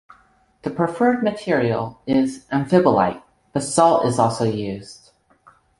The preferred material is amphibolite; basalt is also used.